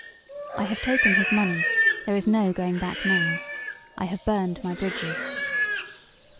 I have taken his money there is no going back now. I have burned my bridges."